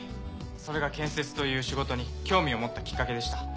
それが建設という仕事に興味を持ったきっかけでした。